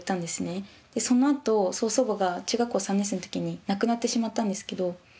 そのあと曽祖母が中学校３年生の時に亡くなってしまったんですけど。